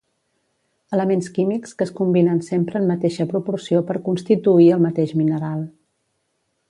Elements químics que es combinen sempre en mateixa proporció per constituir el mateix mineral